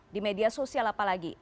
di media sosial apalagi